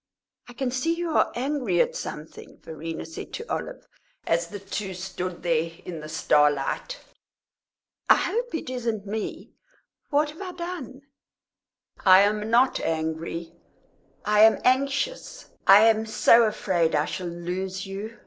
"I can see you are angry at something," Verena said to Olive, as the two stood there in the starlight. "I hope it isn't me. What have I done?" "I am not angry I am anxious. I am so afraid I shall lose you.